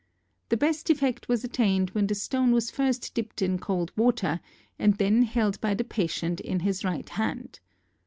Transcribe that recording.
The best effect was attained when the stone was first dipped in cold water and then held by the patient in his right hand.